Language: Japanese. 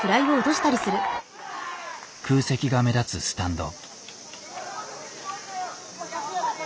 空席が目立つスタンド。